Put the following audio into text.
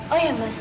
oh ya mas